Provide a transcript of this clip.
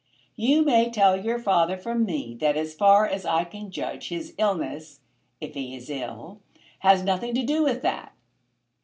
"You may tell your father from me that as far as I can judge his illness, if he is ill, has nothing to do with that."